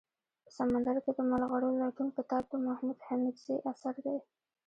په سمندر کي دملغلرولټون کتاب دمحمودحميدزي اثر دئ